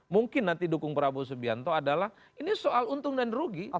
mungkin nanti dukung prabowo subianto adalah ini soal untung dan rugi